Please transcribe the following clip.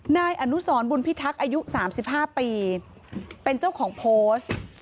นายอนุสรบุญพิทักษ์อายุ๓๕ปีเป็นเจ้าของโพสต์